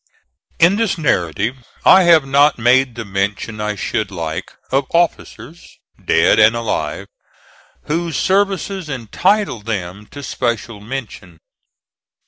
In this narrative I have not made the mention I should like of officers, dead and alive, whose services entitle them to special mention.